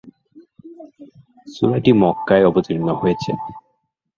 সূরাটি মক্কায় অবতীর্ণ হয়েছে।